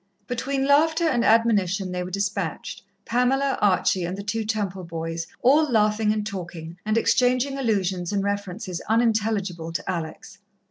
Between laughter and admonition, they were dispatched Pamela, Archie and the two Temple boys, all laughing and talking, and exchanging allusions and references unintelligible to Alex.